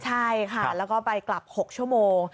ใช่ค่ะแล้วก็ไปกลับ๖ชั่วโมง